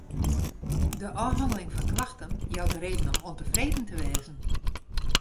De ôfhanneling fan klachten jout reden om ûntefreden te wêzen.